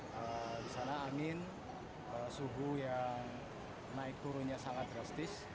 di sana angin suhu yang naik turunnya sangat drastis